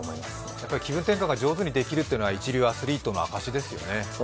やっぱり気分転換が上手にできるというのは一流アーティストの証しですよね。